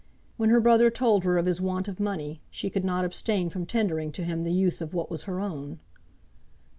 When her brother told her of his want of money, she could not abstain from tendering to him the use of what was her own.